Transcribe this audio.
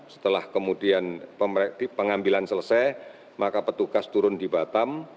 setelah kemudian pengambilan selesai maka petugas turun di batam